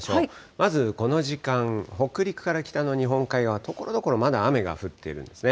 まずこの時間、北陸から北の日本海側、ところどころまだ雨が降っているんですね。